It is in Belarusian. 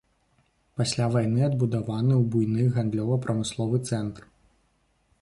Пасля вайны адбудаваны ў буйны гандлёва-прамысловы цэнтр.